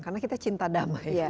karena kita cinta damai